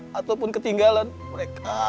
hai ataupun ketinggalan mereka